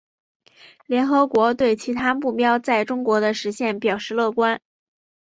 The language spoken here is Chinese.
联合国对其他目标在中国的实现表示乐观。